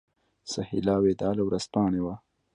سهیلا وداع له ورځپاڼې وه.